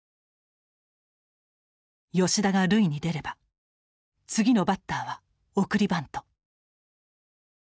吉田が塁に出れば次のバッターは送りバント。